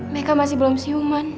mekah masih belum siuman